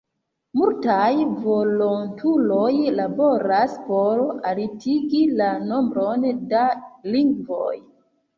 Multaj volontuloj laboras por altigi la nombron da lingvoj.